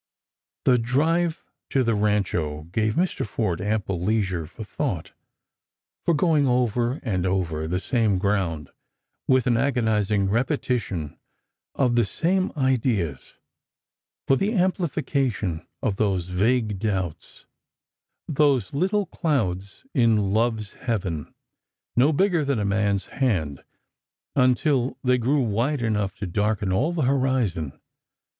The drive to the Rancho gave Mr. ForJe ample leisure for thought ; for going over and over the same ground with an agonising repetition of the same ideas ; for the amplification of those vague doubts, those httle clouds in love's heaven, no bigger than a man's hand, until they grew wide enough to darken all the horizon.